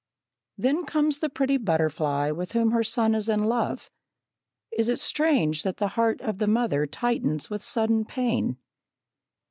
Then comes the pretty butterfly, with whom her son is in love. Is it strange that the heart of the mother tightens with sudden pain?